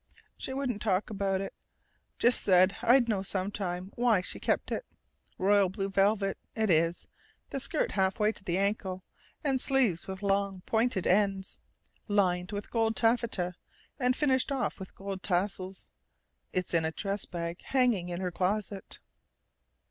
She wouldn't talk about it just said I'd know sometime why she kept it.... Royal blue velvet, it is, the skirt halfway to the ankles, and sleeves with long pointed ends, lined with gold taffeta, and finished off with gold tassels. It's in a dress bag, hanging in her closet."